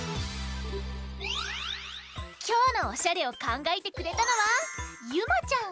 きょうのおしゃれをかんがえてくれたのはゆまちゃん！